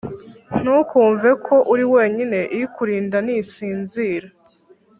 Ntukumveko uriwenyine ikurinda ntisinzira